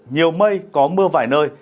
nhiều mây có mưa vài nơi